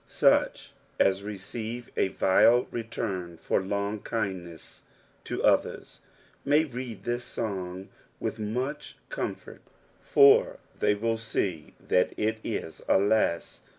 A'uc/i a$ receioe a vile rdum for lony kindness to others, may read this sow} vAth mtich oomfortifor they jciU see that it is alaa!